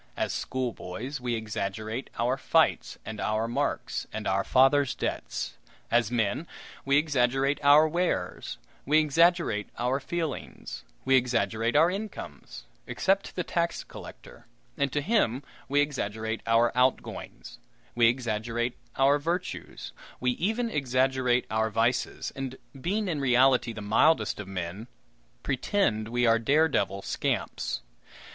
As schoolboys, we exaggerate our fights and our marks and our fathers' debts. As men, we exaggerate our wares, we exaggerate our feelings, we exaggerate our incomes except to the tax collector, and to him we exaggerate our "outgoings"; we exaggerate our virtues; we even exaggerate our vices, and, being in reality the mildest of men, pretend we are dare devil scamps.